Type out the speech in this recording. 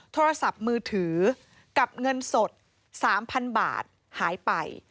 โทรศัพท์มือถือกับเงินสด๓๐๐๐บาทหายไป